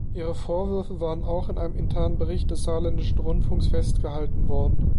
Ihre Vorwürfe waren auch in einem internen Bericht des Saarländischen Rundfunks festgehalten worden.